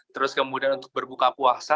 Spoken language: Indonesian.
terus kemudian untuk berbuka puasa